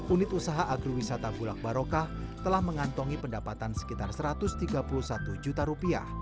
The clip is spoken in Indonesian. unit usaha agrowisata bulak barokah telah mengantongi pendapatan sekitar rp satu ratus tiga puluh satu juta